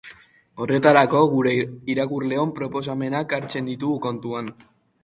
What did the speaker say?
Horretarako, gure irakurleon proposamenak hartzen ditugu kontutan.